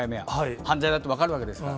犯罪だって分かるわけですから。